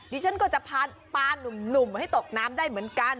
ดิฉันก็จะพานุ่มให้ตกน้ำได้เหมือนกัน